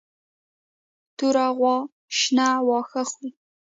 توره غوا شنه واښه خوري.